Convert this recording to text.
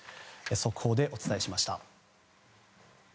速報でお伝えしました。